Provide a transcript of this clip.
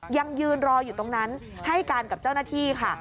ยังยืนรออยู่ตรงนั้นให้การกับเจ้าหน้าที่ค่ะ